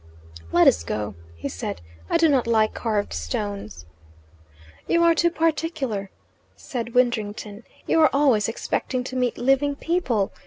"Let us go," he said. "I do not like carved stones." "You are too particular," said Widdrington. "You are always expecting to meet living people.